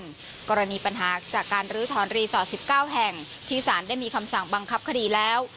กรณีปัญหาจากการลื้อถอนรีสอร์ท๑๙แห่งที่สารได้มีคำสั่งบังคับคดีแล้ว